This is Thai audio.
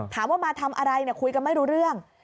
ถามว่ามาทำอะไรเนี่ยคุยกันไม่รู้เรื่อง